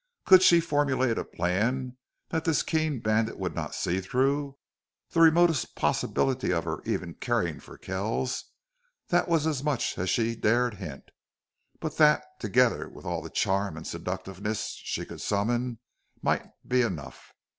Could she formulate a plan that this keen bandit would not see through? The remotest possibility of her even caring for Kells that was as much as she dared hint. But that, together with all the charm and seductiveness she could summon, might be enough.